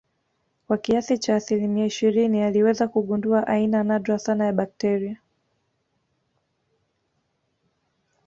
kwa kiasi cha asilimia ishirini aliweza kugundua aina nadra sana ya bakteria